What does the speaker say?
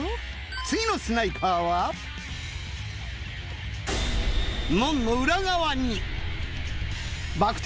次のスナイパーは門の裏側に。